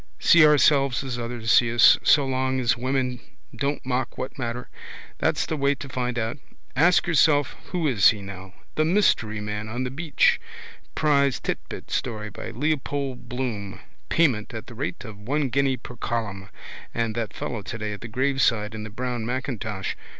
See ourselves as others see us. So long as women don't mock what matter? That's the way to find out. Ask yourself who is he now. The Mystery Man on the Beach, prize titbit story by Mr Leopold Bloom. Payment at the rate of one guinea per column. And that fellow today at the graveside in the brown macintosh.